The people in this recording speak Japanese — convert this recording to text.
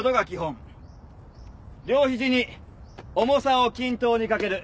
両肘に重さを均等にかける。